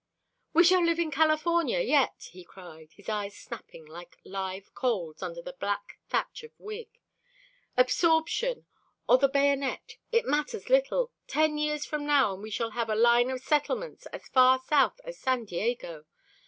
"We shall have California yet!" he cried, his eyes snapping like live coals under the black thatch of wig. "Absorption or the bayonet. It matters little. Ten years from now and we shall have a line of settlements as far south as San Diego.